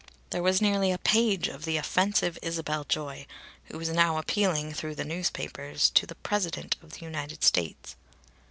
There was nearly a page of the offensive Isabel Joy, who was now appealing, through the newspapers, to the President of the United States.